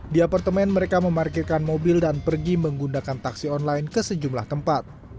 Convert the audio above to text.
di apartemen mereka memarkirkan mobil dan pergi menggunakan taksi online ke sejumlah tempat